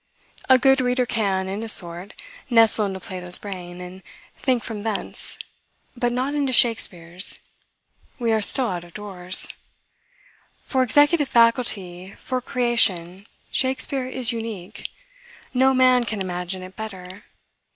A good reader can, in a sort, nestle into Plato's brain, and think from thence; but not into Shakspeare's. We are still out of doors. For executive faculty, for creation, Shakspeare is unique. No man can imagine it better.